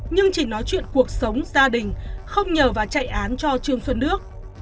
nhưng chỉ nói chuyện cuộc sống gia đình không nhờ và chạy án cho trương xuân đức